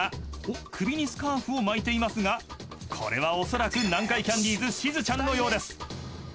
［首にスカーフを巻いていますがこれはおそらく南海キャンディーズしずちゃんのようです］